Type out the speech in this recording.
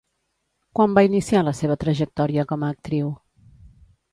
Quan va iniciar la seva trajectòria com a actriu?